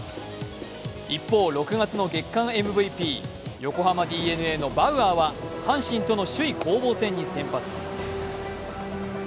一方、６月の月間ＭＶＰ横浜ＤｅＮＡのバウアーには、阪神との首位攻防戦に先発。